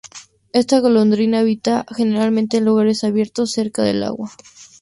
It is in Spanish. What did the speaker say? Esta golondrina habita generalmente en lugares abiertos, cerca del agua.